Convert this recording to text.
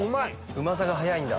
うまさが早いんだ。